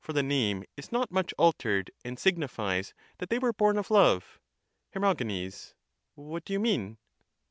the name is not much altered, and signifies that they were Socrates, born of love. "^^"°: GENES. Her. What do you mean?